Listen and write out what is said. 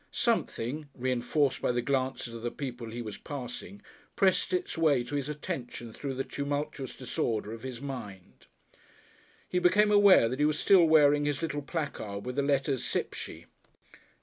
Something reinforced by the glances of the people he was passing pressed its way to his attention through the tumultuous disorder of his mind. He became aware that he was still wearing his little placard with the letters "Cypshi."